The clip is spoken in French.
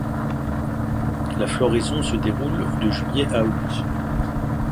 La floraison se déroule de juillet à août.